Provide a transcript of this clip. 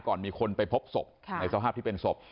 มีคนไปพบศพในสภาพที่เป็นศพ